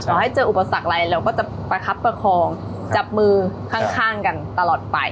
ให้เจออุปสรรคอะไรเราก็จะประคับประคองจับมือข้างกันตลอดไป